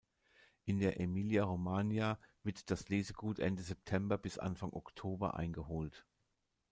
In der Emilia-Romagna wird das Lesegut Ende September bis Anfang Oktober eingeholt.